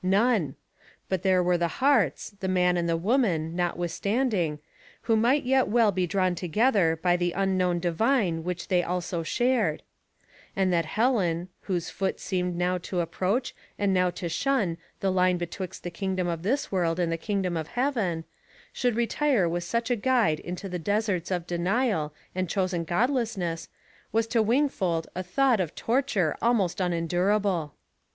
None; but there were the hearts the man and the woman notwithstanding, who might yet well be drawn together by the unknown divine which they also shared; and that Helen, whose foot seemed now to approach and now to shun the line betwixt the kingdom of this world and the kingdom of heaven, should retire with such a guide into the deserts of denial and chosen godlessness, was to Wingfold a thought of torture almost unendurable.